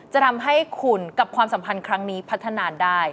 จะทำให้คุณกับความสัมพันธ์ครั้งนี้พัฒนาได้